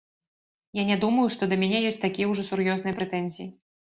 Я не думаю, што да мяне ёсць такія ўжо сур'ёзныя прэтэнзіі.